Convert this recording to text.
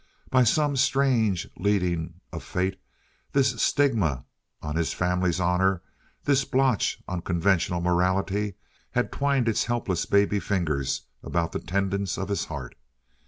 By some strange leading of fate this stigma on his family's honor, this blotch on conventional morality, had twined its helpless baby fingers about the tendons of his heart.